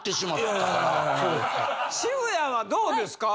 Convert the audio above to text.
渋谷はどうですか？